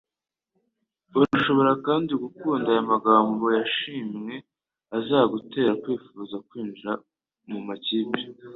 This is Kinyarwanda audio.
Urashobora kandi gukunda aya magambo yishimye azagutera kwifuza kwinjira mumakipe.